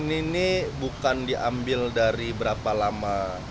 ini bukan diambil dari berapa lama